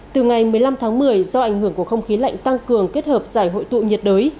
từ ngày một mươi năm tháng một mươi do ảnh hưởng của không khí lạnh tăng cường kết hợp giải hội tụ nhiệt đới